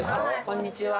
こんにちは